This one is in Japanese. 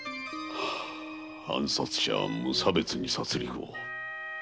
暗殺者は無差別に殺戮を。